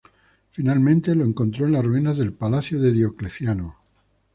Finalmente lo encontró en las ruinas del Palacio de Diocleciano.